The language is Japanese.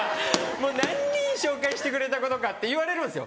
もう何人紹介してくれたことか」って言われるんですよ。